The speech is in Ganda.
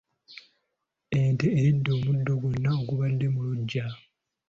Ente eridde omuddo gwonna ogubadde mu luggya.